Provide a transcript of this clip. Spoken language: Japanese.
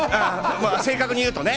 正確に言うとね。